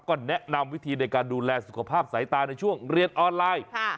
ก็แนะนำวิธีในการดูแลสุขภาพสายตาในช่วงเรียนออนไลน์